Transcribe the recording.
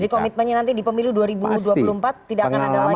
jadi komitmennya nanti di pemilu dua ribu dua puluh empat tidak akan ada lagi ya